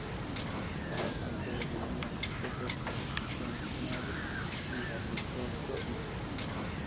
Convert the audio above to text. Arnaldo de Vía fue protonotario apostólico.